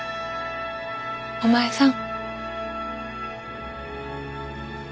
お前さん。